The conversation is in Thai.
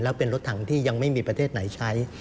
แล้วเป็นรถถังที่ยังไม่มีประเทศไหนใช้